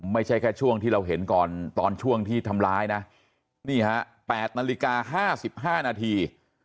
ไม่ใช่แค่ช่วงที่เราเห็นก่อนตอนช่วงที่ทำร้ายนะนี่ฮะ๘นาฬิกา๕๕นาที